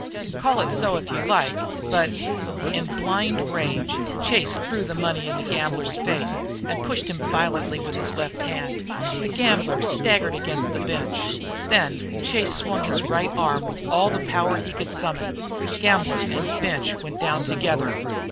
Call it so if you like, but " In blind rage Chase threw the money in the gambler's face and pushed him violently with his left hand. The gambler staggered against the bench. Then Chase swung his right arm with all the power he could summon. Gambler and bench went down together.